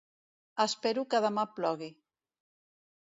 Espero que demà plogui.